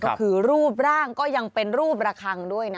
ก็คือรูปร่างก็ยังเป็นรูประคังด้วยนะ